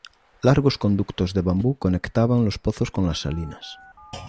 Largos conductos de bambú conectaban los pozos con las salinas.